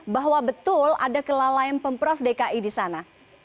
bahwa betul ada kelalaian pemprov dki di sana